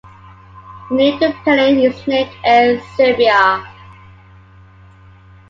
The new company is named Air Serbia.